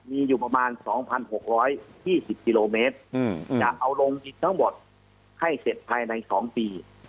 มีอยู่ประมาณ๒๖๒๐กิโลเมตรจะเอาลงดินทั้งหมดให้เสร็จภายใน๒ปี